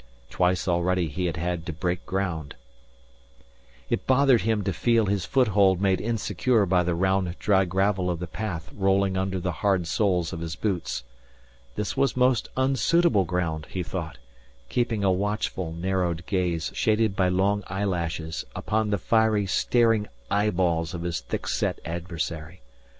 Twice already he had had to break ground. [Illustration: 028.jpg "The angry clash of arms filled that prim garden"] It bothered him to feel his foothold made insecure by the round dry gravel of the path rolling under the hard soles of his boots. This was most unsuitable ground, he thought, keeping a watchful, narrowed gaze shaded by long eyelashes upon the fiery staring eyeballs of his thick set adversary.